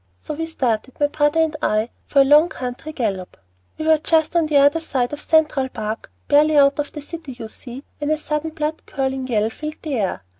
So we started, my brother and I, for a long country gallop. "We were just on the other side of Central Park, barely out of the city, you see, when a sudden blood curdling yell filled the air.